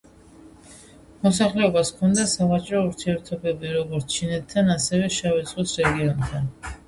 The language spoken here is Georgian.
მოსახლეობას ჰქონდა სავაჭრო ურთიერთობები როგორც ჩინეთთან ასევე შავი ზღვის რეგიონთან.